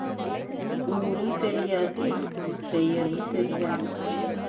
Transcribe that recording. ஊரும் தெரியாது பெயரும் தெரியாது!